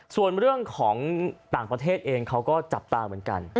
ส่วนเรื่องของต่างประเทศเองเขาก็จับตาเหมือนกัน